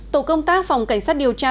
tổ công tác phòng cảnh sát điều tra